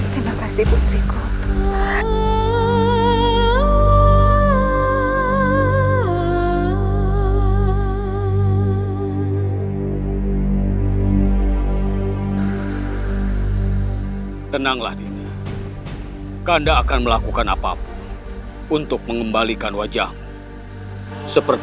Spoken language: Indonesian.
tidak ibunda tidak bisa lakukan hal tersebut